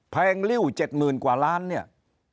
แงริ้ว๗๐๐กว่าล้านเนี่ย